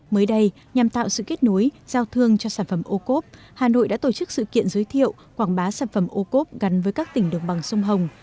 mới đây nhằm tạo sự kết nối giao thương cho sản phẩm ô cốp hà nội đã tổ chức sự kiện giới thiệu quảng bá sản phẩm ô cốp gắn với các tỉnh đồng bằng sông hồng